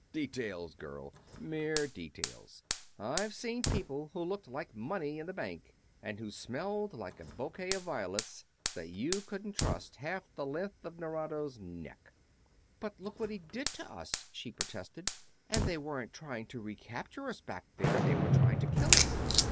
"Details, girl; mere details. I've seen people who looked like money in the bank and who smelled like a bouquet of violets that you couldn't trust half the length of Nerado's neck." "But look what he did to us!" she protested. "And they weren't trying to recapture us back there; they were trying to kill us."